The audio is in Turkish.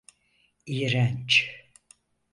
İğrenç!